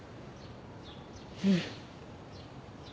うん。